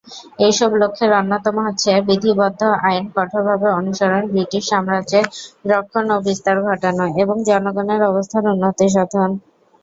এই সব লক্ষ্যের অন্যতম হচ্ছে বিধিবদ্ধ আইন কঠোরভাবে অনুসরণ, ব্রিটিশ সাম্রাজ্যের রক্ষণ ও বিস্তার ঘটানো এবং জনগণের অবস্থার উন্নতি সাধন।